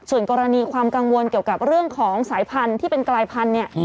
ส่วนกรณีความกังวลเกี่ยวกับเรื่องของสายพันธุ์ที่เป็นกลายพันธุ์เนี่ย